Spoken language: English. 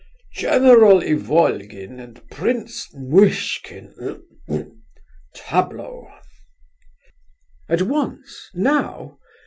General Ivolgin and Prince Muishkin. Tableau!" "At once? Now?